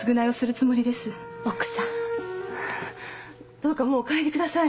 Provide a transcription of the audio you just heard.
どうかもうお帰りください。